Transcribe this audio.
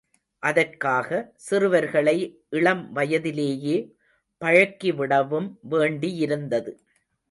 அதற்காக, சிறுவர்களை இளம் வயதிலேயே பழக்கிவிடவும் வேண்டியிருந்தது.